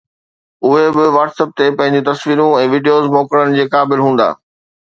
اهي به WhatsApp تي پنهنجون تصويرون ۽ وڊيوز موڪلڻ جي قابل هوندا